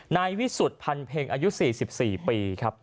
นายวิสุทธิ์พันเพ็งอายุ๔๔ปีครับ